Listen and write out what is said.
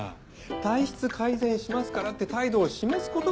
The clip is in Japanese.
体質改善しますからって態度を示す事が大事なんです。